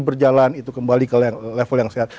berjalan itu kembali ke level yang sehat